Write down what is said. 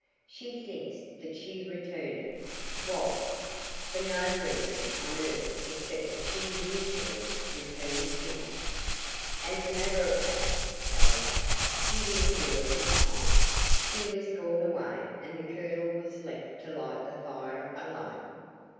She thinks that she returned it. Why? For no reason on earth except that she usually returns things. As a matter of fact, however, she didn't do it this time. She was called away and the Colonel was left to light the fire alone.